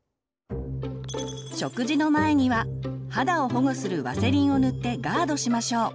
食事の前には肌を保護するワセリンを塗ってガードしましょう。